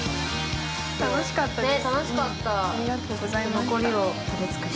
◆楽しかったね。